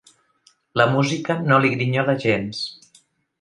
La música no li grinyola gens.